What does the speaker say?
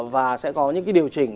và sẽ có những điều chỉnh